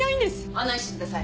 案内してください。